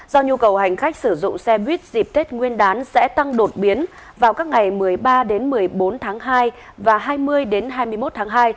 do nhu cầu hành khách sử dụng xe buýt dịp tết nguyên đán sẽ tăng đột biến vào các ngày một mươi ba một mươi bốn tháng hai và hai mươi hai mươi một tháng hai